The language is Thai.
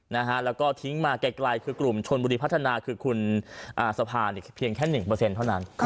แล้วก็ทิ้งมาไกลคือกลุ่มชนบุรีพัฒนาคือคุณสะพานเพียงแค่๑เท่านั้น